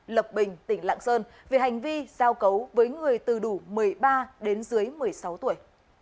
lập bình tỉnh lạng sơn về hành vi giao cấu với người từ đủ một mươi ba đến dưới một mươi sáu tuổi